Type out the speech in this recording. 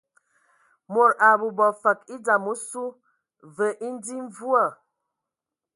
Mod a bobo fəg e dzam osu, və e dzi mvua.